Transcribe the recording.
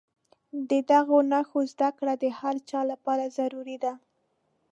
د دغو نښو زده کړه د هر چا لپاره ضروري ده.